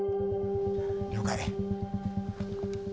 了解。